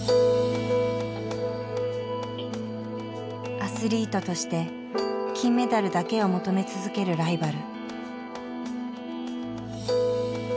アスリートとして金メダルだけを求め続けるライバル。